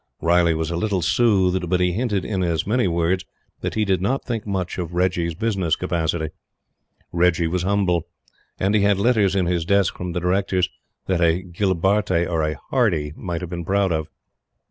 Riley was a little soothed, but he hinted in as many words that he did not think much of Reggie's business capacity. Reggie was humble. And he had letters in his desk from the Directors that a Gilbarte or a Hardie might have been proud of!